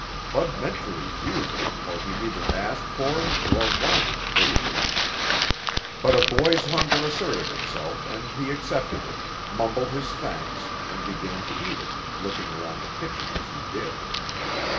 Bud meant to refuse it, for he neither asked for nor wanted favors. But a boy's hunger asserted itself and he accepted it, mumbled his thanks and began to eat it, looking around the kitchen as he did.